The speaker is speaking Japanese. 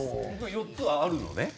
４つはあるのね。